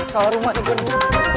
salah rumah tuh gua nih